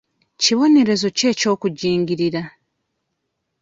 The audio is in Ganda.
Kibonerezo ki eky'okujingirira?